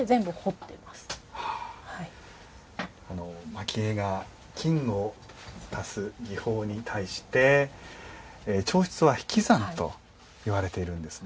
蒔絵が金を足す技法に対して彫漆は引き算といわれているんですね。